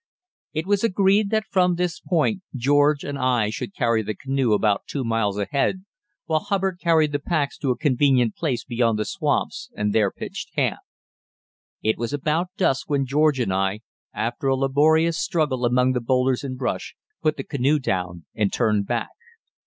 It was agreed that from this point George and I should carry the canoe about two miles ahead, while Hubbard carried the packs to a convenient place beyond the swamps and there pitched camp. It was about dusk when George and I, after a laborious struggle among the boulders and brush, put the canoe down and turned back.